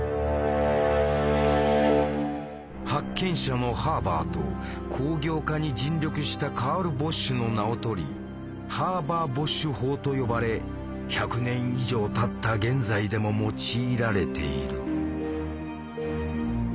発見者のハーバーと工業化に尽力したカール・ボッシュの名を取り「ハーバー・ボッシュ法」と呼ばれ１００年以上たった現在でも用いられている。